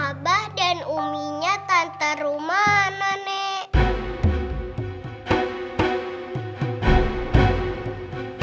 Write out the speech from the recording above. abah dan uminya tante rumana nek